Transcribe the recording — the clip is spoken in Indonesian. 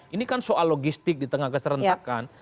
ini kan soal logistik di tengah keserentakan